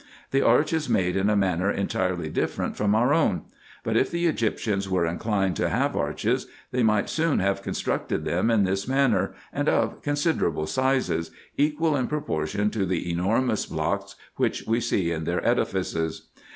The arch is made in a manner entirely different from our own ; but if the Egyptians were inclined to have arches, they might soon have constructed them in this manner, and of considerable sizes, equal in proportion to the enor mous blocks which we see in their edifices.